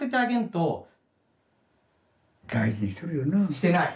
してない。